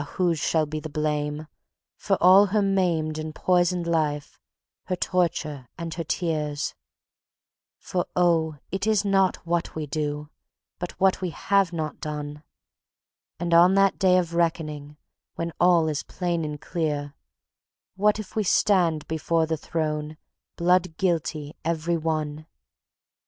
whose shall be the blame For all her maimed and poisoned life, her torture and her tears? For oh, it is not what we do, but what we have not done! And on that day of reckoning, when all is plain and clear, What if we stand before the Throne, blood guilty every one?